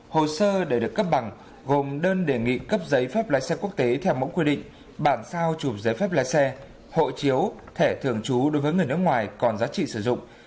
hồ sơ để được cấp bằng gồm đơn đề nghị cấp giấy phép lái xe quốc tế theo mẫu quy định bản sao chụp giấy phép lái xe hộ chiếu thẻ thường trú đối với người nước ngoài còn giá trị sử dụng